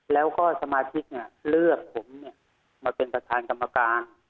แล้วก็สมาชิกเนี่ยเลือกผมเนี่ยมาเป็นประธานกรรมการ